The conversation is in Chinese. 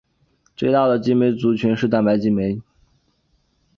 最大的激酶族群是蛋白激酶。